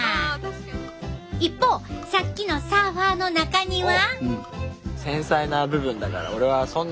一方さっきのサーファーの中には？